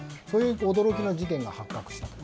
そういう驚きの事件が発覚した。